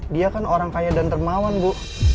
dia kan orang kaya dan dermawan bu